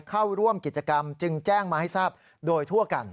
เข้าร่วมกิจกรรมจึงแจ้งมาให้ทราบโดยทั่วกัน